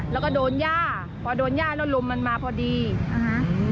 แล้วก็โดนย่าพอโดนย่าแล้วลมมันมาพอดีนะคะ